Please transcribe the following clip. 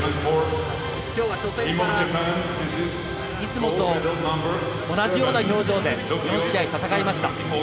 今日は初戦からいつもと同じような表情で４試合戦いました。